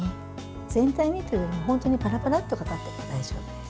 全体にというより本当にパラパラッとかかっていれば大丈夫です。